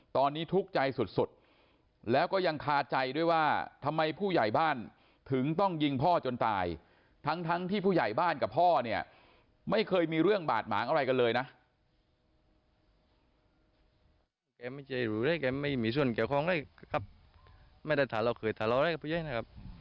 ตอนนี้ทุกข์ใจสุดแล้วก็ยังคาใจด้วยว่าทำไมผู้ใหญ่บ้านถึงต้องยิงพ่อจนตายทั้งที่ผู้ใหญ่บ้านกับพ่อเนี่ยไม่เคยมีเรื่องบาดหมางอะไรกันเลยนะ